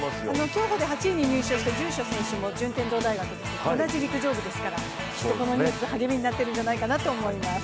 競歩で８位に入賞した住所選手も順天堂大学の同じ陸上部ですから、このニュース、励みになっているんじゃないかと思います。